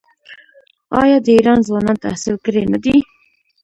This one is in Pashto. آیا د ایران ځوانان تحصیل کړي نه دي؟